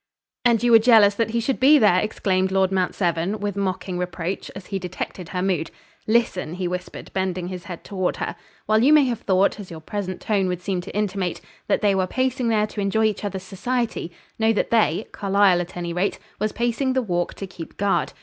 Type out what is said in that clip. "And you were jealous that he should be there!" exclaimed Lord Mount Severn, with mocking reproach, as he detected her mood. "Listen!" he whispered, bending his head toward her. "While you may have thought, as your present tone would seem to intimate, that they were pacing there to enjoy each other's society, know that they Carlyle, at any rate was pacing the walk to keep guard.